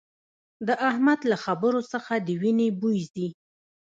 د احمد له خبرو څخه د وينې بوي ځي